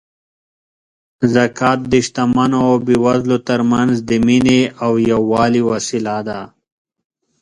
زکات د شتمنو او بېوزلو ترمنځ د مینې او یووالي وسیله ده.